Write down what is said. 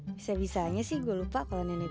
bisa bisanya sih gue lupa kalau nenekku